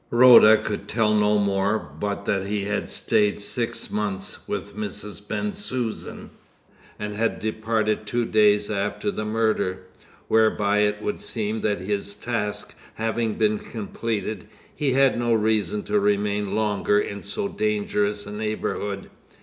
Rhoda could tell no more but that he had stayed six months with Mrs. Bensusan, and had departed two days after the murder; whereby it would seem that his task having been completed, he had no reason to remain longer in so dangerous a neighbourhood.